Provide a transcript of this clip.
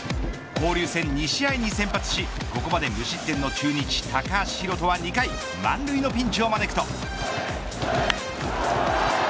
交流戦２試合に先発しここまで無失点の中日、高橋宏斗は２回満塁のピンチを招くと。